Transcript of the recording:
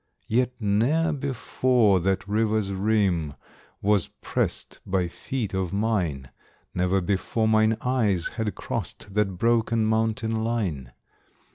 Yet ne'er before that river's rim Was pressed by feet of mine, Never before mine eyes had crossed That broken mountain line.